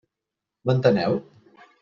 M'enteneu?